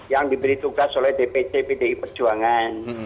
yang diberi tugas oleh dpc pdi perjuangan